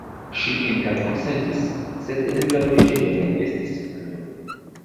Ŝi interkonsentis, sed en la loĝejo ne estis hundo.